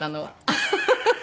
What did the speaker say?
ハハハハ。